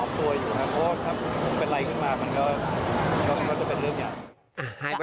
มันก็ต้องเป็นเรื่องอย่างโกหก